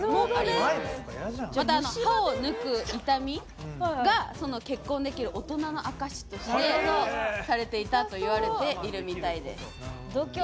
また、歯を抜く痛みが結婚できる大人の証しとされていたということみたいです。